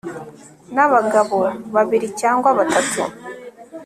n abagabo babiri cyangwa batatu